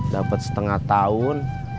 dapet setengah tahun